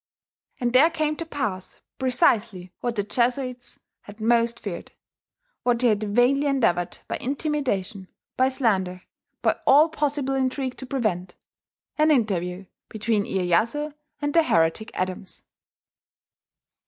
... And there came to pass precisely what the Jesuits had most feared, what they had vainly endeavoured by intimidation, by slander, by all possible intrigue to prevent, an interview between Iyeyasu and the heretic Adams.